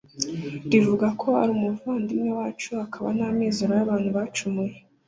rivuga ko ari umuvandimwe wacu, akaba n'amizero y'abantu bacumuye.